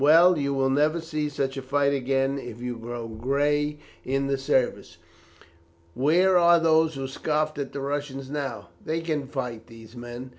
"Well, you will never see such a fight again if you grow gray in the service. Where are those who scoffed at the Russians now? They can fight, these men.